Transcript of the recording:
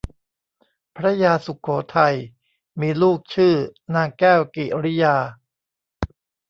พระยาสุโขทัยมีลูกชื่อนางแก้วกิริยา